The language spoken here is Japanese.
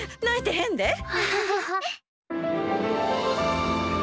泣いてへんで！